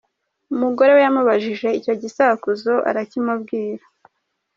Umugore we yamubajije icyo gisakuzo, arakimubwira.